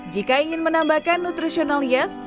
jika ingin menambahkan nutrisional yes